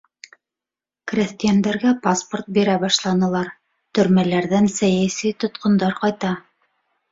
Крәҫтиәндәргә паспорт бирә башланылар, төрмәләрҙән сәйәси тотҡондар ҡайта.